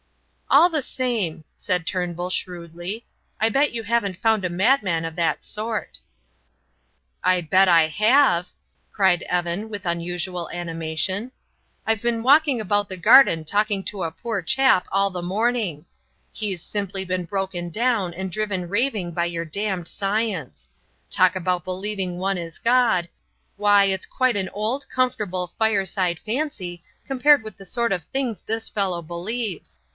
"All the same," said Turnbull, shrewdly, "I bet you haven't found a madman of that sort." "I bet I have!" cried Evan, with unusual animation. "I've been walking about the garden talking to a poor chap all the morning. He's simply been broken down and driven raving by your damned science. Talk about believing one is God why, it's quite an old, comfortable, fireside fancy compared with the sort of things this fellow believes.